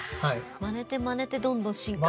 まねてまねてどんどん進化していく。